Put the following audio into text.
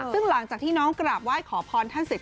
ซึ่งหลังจากที่น้องกราบไหว้ขอพรท่านเสร็จ